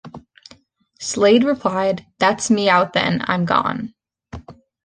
Slade replied, That's me out then, I'm gone.